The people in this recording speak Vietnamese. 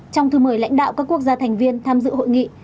trong thư mời lãnh đạo các quốc gia thành viên tham dự hội nghị